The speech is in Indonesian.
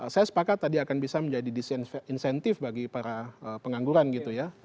saya sepakat tadi akan bisa menjadi disinsentif bagi para pengangguran gitu ya